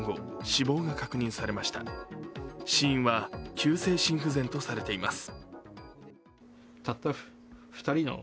死因は急性心不全とされています。